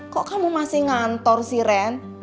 kok kamu masih ngantor si ren